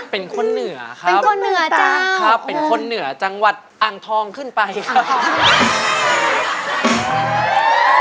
เป็นคนเหนือครับเป็นคนเหนือจังหวัดอ่างทองขึ้นไปครับ